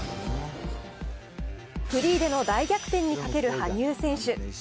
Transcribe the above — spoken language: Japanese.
フリーでの大逆転にかける羽生選手。